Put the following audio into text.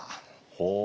ほう。